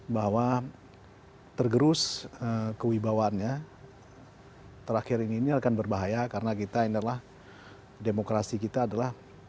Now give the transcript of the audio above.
bahwa tergerus kewibawaannya terakhir ini akan berbahaya karena kita ini adalah demokrasi kita adalah